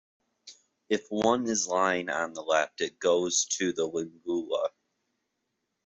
If one is lying on the left, it goes to the lingula.